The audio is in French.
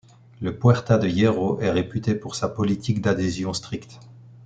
Le Puerta de Hierro est réputée pour sa politique d'adhésion stricte.